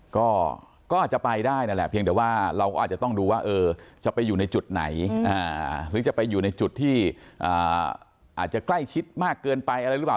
ก็อาจจะไปได้นั่นแหละเพียงแต่ว่าเราก็อาจจะต้องดูว่าจะไปอยู่ในจุดไหนหรือจะไปอยู่ในจุดที่อาจจะใกล้ชิดมากเกินไปอะไรหรือเปล่า